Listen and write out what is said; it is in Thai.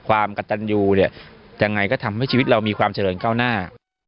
ความกระตันยูเนี่ยยังไงก็ทำให้ชีวิตเรามีความเจริญก้าวหน้า